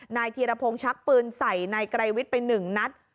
นายทีรพงศ์ชักปืนใส่นายไกรวิทย์ไปหนึ่งนัด